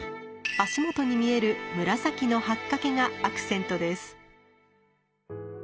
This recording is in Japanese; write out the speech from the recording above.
足元に見える紫の八掛がアクセントです。